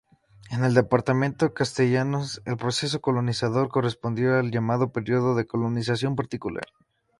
En el Departamento Castellanos, el proceso colonizador correspondió al llamado periodo de colonización particular.